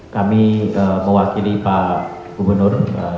kami mewakili pak gubernur